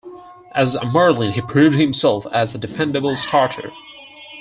As a Marlin, he proved himself as a dependable starter.